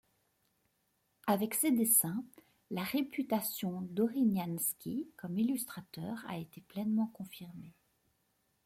Avec ces dessins, la réputation d’Orinianski comme illustrateur a été pleinement confirmée.